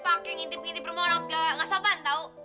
pak kendi ngintip ngintip sama orang gak sopan tau